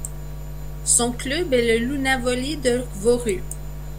Son club est le Lõunalõvi de Võru.